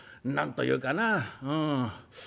何というかなうん。